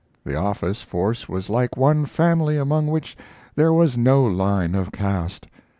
The office force was like one family among which there was no line of caste.